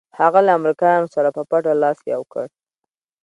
هغه له امریکایانو سره په پټه لاس یو کړ.